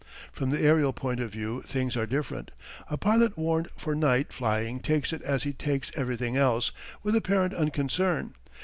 From the aërial point of view things are different. A pilot warned for night flying takes it as he takes everything else, with apparent unconcern.